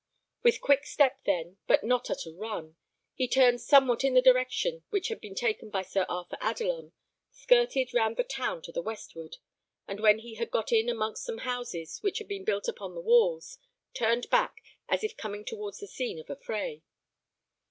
With quick step, then, but not at a run, he turned somewhat in the direction which had been taken by Sir Arthur Adelon, skirted round the town to the westward, and when he had got in amongst some houses which had been built beyond the walls, turned back, as if coming towards the scene of affray.